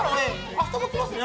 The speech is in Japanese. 明日も来ますね。